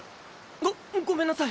ごごめんなさい。